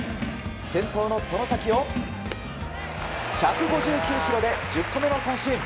先頭の外崎を１５９キロで１０個目の三振。